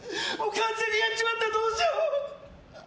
完全にやっちまったどうしよう。